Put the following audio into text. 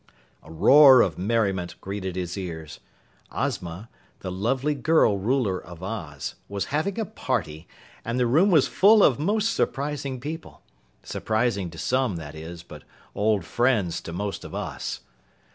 A roar of merriment greeted his ears. Ozma, the lovely girl ruler of Oz, was having a party, and the room was full of most surprising people surprising to some, that is, but old friends to most of us.